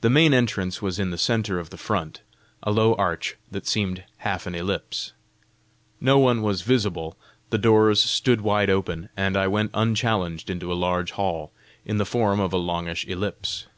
The main entrance was in the centre of the front a low arch that seemed half an ellipse. No one was visible, the doors stood wide open, and I went unchallenged into a large hall, in the form of a longish ellipse.